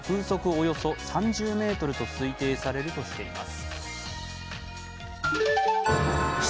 およそ３０メートルと推定されるとしています。